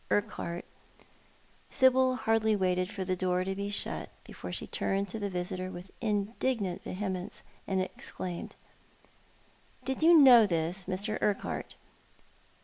Urquhart Sibyl hardly waited for the door to be shut before she turned to the visitor with indignant vehemence, and exclaimed — "Did you know this, Mr. Urquhart?